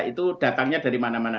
itu datangnya dari mana mana